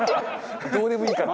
どうでもいいから。